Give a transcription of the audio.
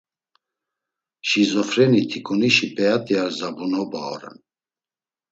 Şizofreni, tikunişi p̌eat̆i ar zabunoba oren…